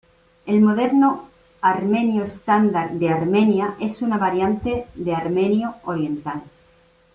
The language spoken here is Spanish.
El moderno armenio estándar de Armenia es una variante de armenio oriental.